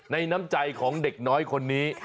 น้ำใจของเด็กน้อยคนนี้